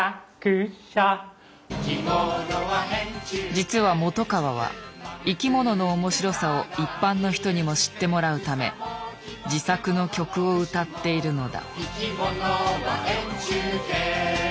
実は本川は生き物の面白さを一般の人にも知ってもらうため自作の曲を歌っているのだ。